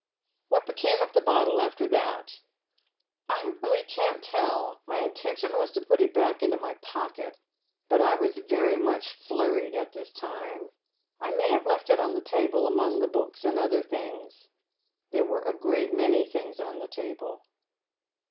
" What became of the bottle after that ?"" I really can't tell. My intention was to put it back into my pocket, but I was very much flunied at this time. I may have kit it on the table among the books and other things. There were a great many things on the table."